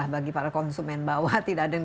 bagi para konsumen bawah tidak ada yang